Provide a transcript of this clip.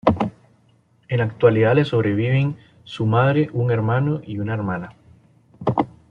En la actualidad le sobreviven su madre, un hermano y una hermana.